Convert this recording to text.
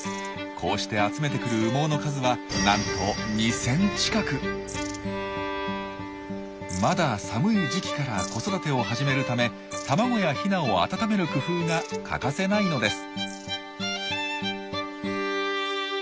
こうして集めてくる羽毛の数はなんとまだ寒い時期から子育てを始めるため卵やヒナを温める工夫が欠かせないのです。